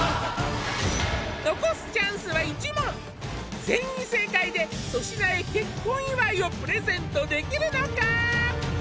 残すチャンスは１問全員正解で粗品へ結婚祝いをプレゼントできるのか？